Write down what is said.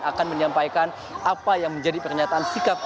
akan menyampaikan apa yang menjadi pernyataan sikap